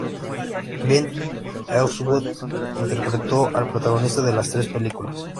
Clint Eastwood interpretó al protagonista de las tres películas.